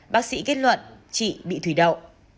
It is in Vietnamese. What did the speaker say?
bác sĩ kết luận chị bị thủy đậu